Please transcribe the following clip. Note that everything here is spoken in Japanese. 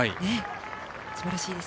すばらしいです。